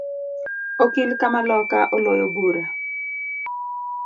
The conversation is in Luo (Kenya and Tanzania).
Okil kamaloka oloyo bura